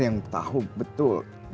yang tahu betul